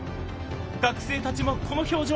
学生たちもこの表情。